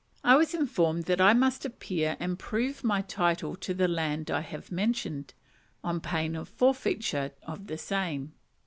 I was informed that I must appear and prove my title to the land I have mentioned, on pain of forfeiture of the same.